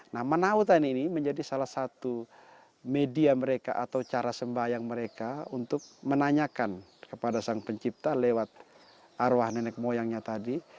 nah manawutan ini menjadi salah satu media mereka atau cara sembahyang mereka untuk menanyakan kepada sang pencipta lewat arwah nenek moyangnya tadi